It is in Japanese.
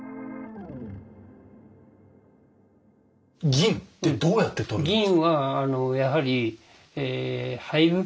銀ってどうやって採るんですか？